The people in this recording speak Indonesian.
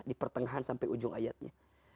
di pertengahan sampai ujung ayatnya